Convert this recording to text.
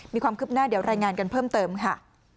มีความคืบหน้าเดี๋ยวรายงานกันเพิ่มเติมค่ะ